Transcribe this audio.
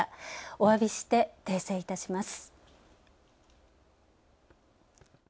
おわびして訂正いたします。